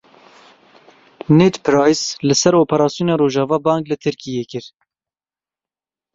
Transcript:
Ned Price li ser operasyona Rojava bang li Tirkiyeyê kir.